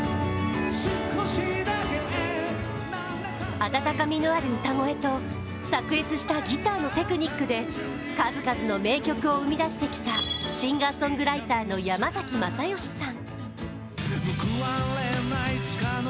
温かみのある歌声と卓越したギターのテクニックで数々の名曲を生み出してきたシンガーソングライターの山崎まさよしさん。